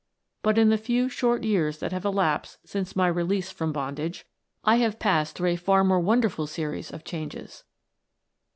But in the few short years that have elapsed since my release from bondage, I have passed through a far more wonderful series of changes.